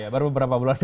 baru beberapa bulan